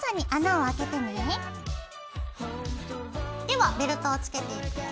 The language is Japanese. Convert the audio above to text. ではベルトをつけていくよ。